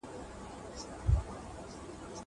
زه به خبري کړي وي!